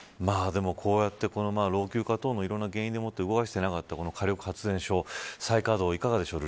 でも、こうやって老朽化等のいろいろな原因でもって動かしてなかった火力発電所の再稼働